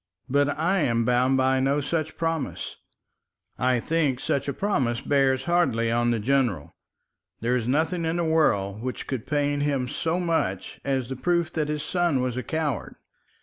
But I am bound by no promise. I think such a promise bears hardly on the general. There is nothing in the world which could pain him so much as the proof that his son was a coward.